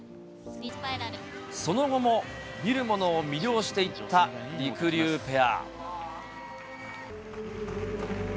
その後も見る者を魅了していったりくりゅうペア。